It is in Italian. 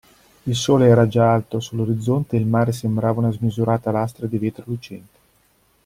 Il sole era già alto sull'orizzonte e il mare sembrava una smisurata lastra di vetro lucente.